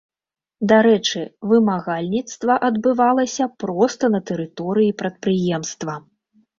Дарэчы, вымагальніцтва адбывалася проста на тэрыторыі прадпрыемства.